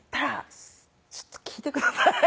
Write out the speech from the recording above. ちょっと聞いてください